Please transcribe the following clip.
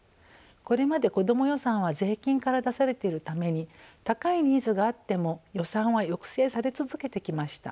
これまで子ども予算は税金から出されているために高いニーズがあっても予算は抑制され続けてきました。